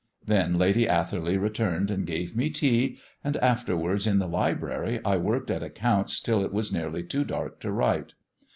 Then Lady Atherley returned and gave me tea; and afterwards, in the library, I worked at accounts till it was nearly too dark to write.